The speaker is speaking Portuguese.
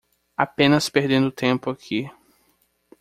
Apenas perdendo tempo aqui